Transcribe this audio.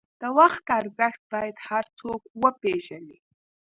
د وخت ارزښت باید هر څوک وپېژني.